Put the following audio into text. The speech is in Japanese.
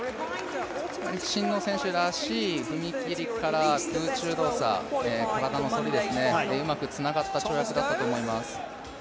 真野選手らしい踏切から空中動作、体の反り、うまくつながった跳躍だったと思います。